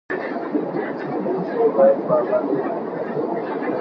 پیسې باید په ابادۍ ولګیږي.